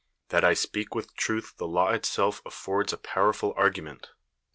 That I speak witii truth the law itself atl'ords a powerful argument.